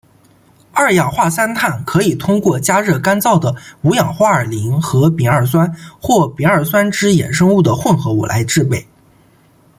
二氧化三碳可以通过加热干燥的五氧化二磷和丙二酸或丙二酸酯衍生物的混合物来制备。